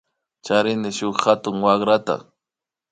Charini shuk hatun warata